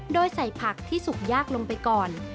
โดยใส่ผักที่สุกยากลงไปก่อน